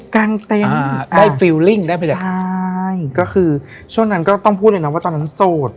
กลางเต็มอ่าได้ได้ใช่ก็คือช่วงนั้นก็ต้องพูดเลยนะว่าตอนนั้นโสด